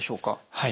はい。